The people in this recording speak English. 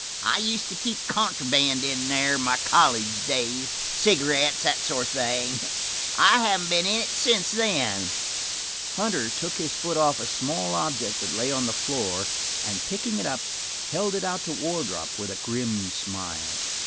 "I used to keep contraband here in my college days, cigarettes and that sort of thing. I haven't been in it since then." Hunter took his foot off a small object that lay on the floor, and picking it up, held it out to Wardrop, with a grim smile.